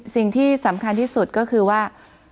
สิ่งที่สำคัญที่สุดก็คือว่า